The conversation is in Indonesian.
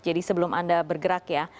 jadi sebelum anda bergerak ya